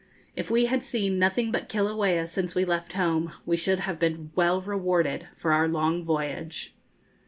If we had seen nothing but Kilauea since we left home, we should have been well rewarded for our long voyage.